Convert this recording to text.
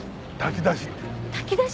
炊き出し。